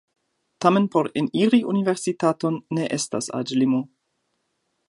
Tamen por eniri universitaton ne estas aĝlimo.